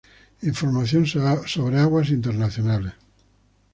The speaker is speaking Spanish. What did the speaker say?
Información sobre aguas internacionales